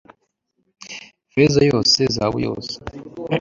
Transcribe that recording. feza yose, zahabu yose